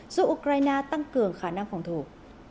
giúp ukraine tăng cấp năng lực